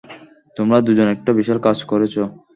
তোমরা দুজন একটা বিশাল কাজ করেছ।